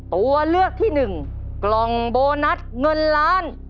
ตัวเลือกที่หนึ่งกล่องโบนัสเงินล้าน